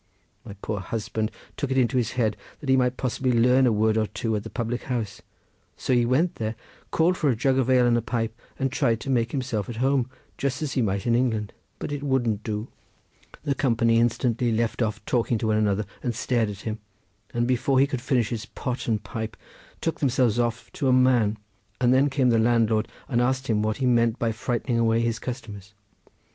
My poor husband took it into his head that he might possibly learn a word or two at the public house, so he went there, called for a jug of ale and a pipe, and tried to make himself at home just as he might in England, but it wouldn't do. The company instantly left off talking to one another, and stared at him, and before he could finish his pot and pipe took themselves off to a man, and then came the landlord, and asked him what he meant by frightening away his customers.